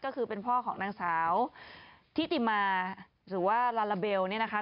ก็คือเป็นพ่อของนางสาวทิติมาหรือว่าลาลาเบลเนี่ยนะคะ